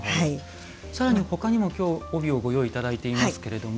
さらにほかにもきょう帯をご用意いただいていますけれども。